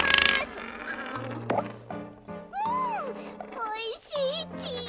うんおいしいち。